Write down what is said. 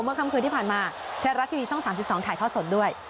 เมื่อค้ำคืนที่ผ่านมาทรัศน์ระดับทีวีช่อง๓๒ถ่ายทอดสดด้วย